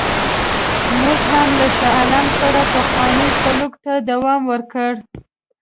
موږ هم له شاه عالم سره پخوانی سلوک ته دوام ورکړی.